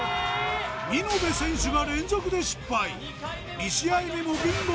見延選手が連続で失敗クッソ！